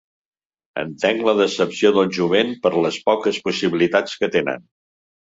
Entenc la decepció del jovent per les poques possibilitats que tenen.